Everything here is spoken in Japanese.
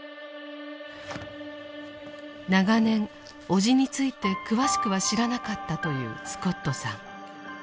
長年叔父について詳しくは知らなかったというスコットさん。